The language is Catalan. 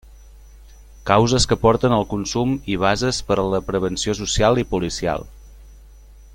Causes que porten al consum i bases per a la prevenció social i policial.